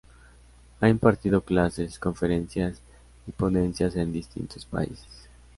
Ha impartido clases, conferencias y ponencias en distintos países.